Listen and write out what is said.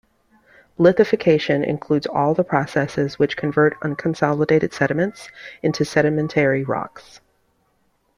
Lithification includes all the processes which convert unconsolidated sediments into sedimentary rocks.